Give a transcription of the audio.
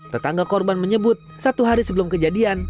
tetangga korban menyebut satu hari sebelum kejadian